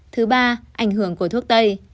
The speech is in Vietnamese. thứ ba ảnh hưởng của thuốc tây